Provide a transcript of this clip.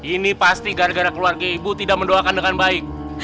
ini pasti gara gara keluarga ibu tidak mendoakan dengan baik